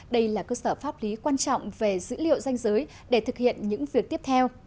đây là cơ sở pháp lý quan trọng về dữ liệu danh giới để thực hiện những việc tiếp theo